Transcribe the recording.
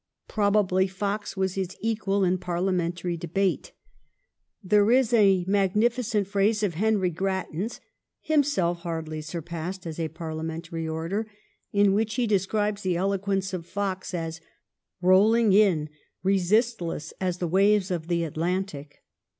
Probably Fox was his equal in Parlia mentary debate. There is a magnificent phrase of Henry Grattan's, himself hardly surpassed as a Parliamentary orator, in which he describes the eloquence of Fox as " rolling in resistless as the waves of the Atlantic."